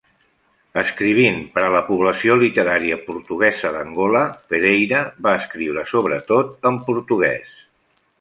Escrivint per a la població literària portuguesa d'Angola, Pereira va escriure sobretot en portuguès.